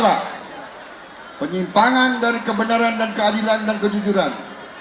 penyimpangan dari kebenaran dan keadilan dan kejujuran